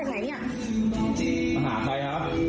อะไรไง